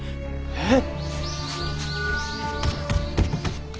えっ！